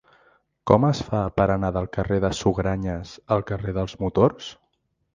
Com es fa per anar del carrer de Sugranyes al carrer dels Motors?